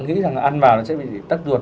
nghĩ rằng ăn vào nó sẽ bị tắt ruột